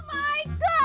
kagak mau pindah